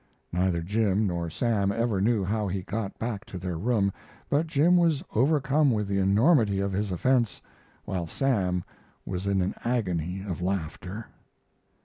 Neither Jim nor Sam ever knew how he got back to their room, but Jim was overcome with the enormity of his offense, while Sam was in an agony of laughter.